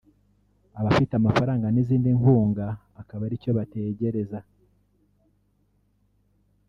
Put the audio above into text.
abafite amafaranga n’izindi nkunga akaba ari cyo bategereza